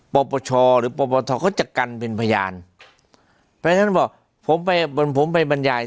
ปรปชหรือปรปฐก็จะกันเป็นพยานแม้ฉะนั้นบอกผมไปบรรยาย